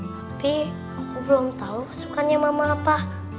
tapi aku belum tau kesukanya mama apa